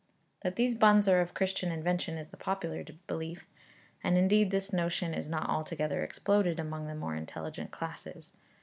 That these buns are of Christian invention is the popular belief, and indeed this notion is not altogether exploded among the more intelligent classes.